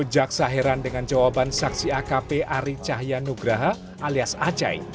jaksa heran dengan jawaban saksi akp ari cahya nugraha alias acai